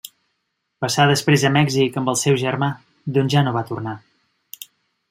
Passà després a Mèxic amb el seu germà, d'on ja no va tornar.